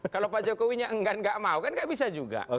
kalau pak jokowi nya enggak mau kan enggak bisa juga